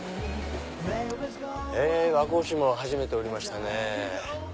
和光市も初めて降りましたね。